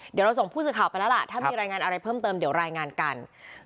เดี๋ยวเราส่งผู้สื่อข่าวไปแล้วล่ะถ้ามีรายงานอะไรเพิ่มเติมเดี๋ยวรายงานกัน